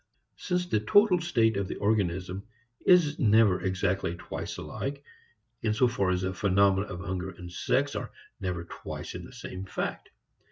Since the total state of the organism is never exactly twice alike, in so far the phenomena of hunger and sex are never twice the same in fact.